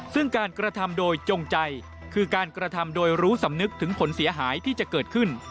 ซึ่งการกระทำโดยจงใจคือการกระทำโดยรู้สำนึกถึงผลเสียหายที่จะเกิดขึ้น